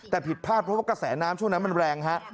แต่ผิดพลาดเพราะว่ากระแสน้ำช่วงนั้นมันแรงฮะ